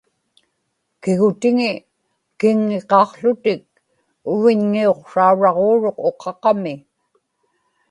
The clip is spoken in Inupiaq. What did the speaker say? kigutiŋi kiŋŋiqaqłutik uviñŋiuqsrauraġuuruq uqaqami